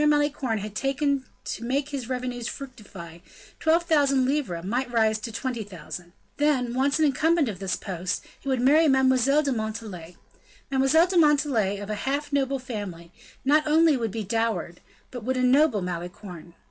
Malicorne had taken to make his revenues fructify, twelve thousand livres might rise to twenty thousand. Then, when once an incumbent of this post, he would marry Mademoiselle de Montalais. Mademoiselle de Montalais, of a half noble family, not only would be dowered, but would ennoble Malicorne.